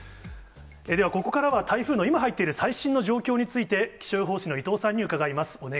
ではここからは、台風の今、入っている最新の状況について気象予報士の伊藤さんに伺います。